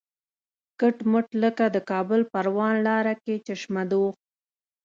کټ مټ لکه د کابل پروان لاره کې چشمه دوغ.